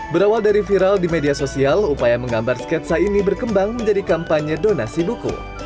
berawal dari viral di media sosial upaya menggambar sketsa ini berkembang menjadi kampanye donasi buku